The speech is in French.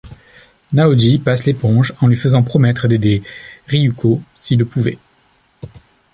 Naoji passe l'éponge en lui faisant promettre d'aider Ryuko s'il le pouvait.